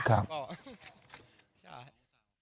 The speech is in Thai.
ครับ